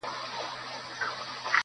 اوباز يم، خو بې گودره نه گډېږم.